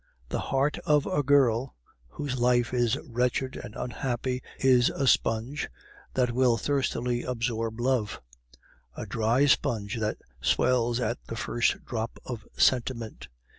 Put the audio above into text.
The heart of a girl whose life is wretched and unhappy is a sponge that will thirstily absorb love; a dry sponge that swells at the first drop of sentiment.